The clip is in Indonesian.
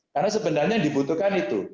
karena sebenarnya dibutuhkan itu